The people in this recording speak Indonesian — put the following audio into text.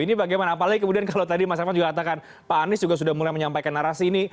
ini bagaimana apalagi kemudian kalau tadi mas evan juga katakan pak anies juga sudah mulai menyampaikan narasi ini